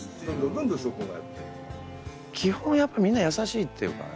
基本やっぱみんな優しいっていうかね。